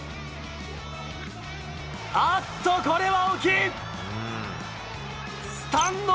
あっと、これは大きい。